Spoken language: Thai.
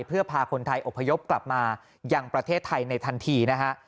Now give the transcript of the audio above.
เพื่อพาคนไทยอพยพกลับมายังประเทศไทยในทันทีนะฮะ